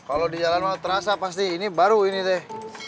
kalau di jalan mau terasa pasti ini baru ini deh